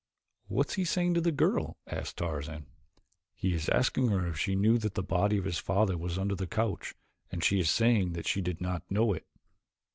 "What is he saying to the girl?" asked Tarzan. "He is asking her if she knew that the body of his father was under the couch. And she is saying that she did not know it."